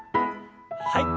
はい。